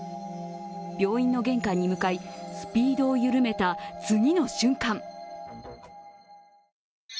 病院の玄関に向かい、スピードを緩めた次の瞬間